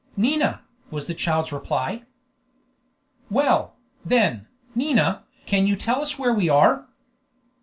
"Nina!" was the child's reply. "Well, then, Nina, can you tell us where we are?"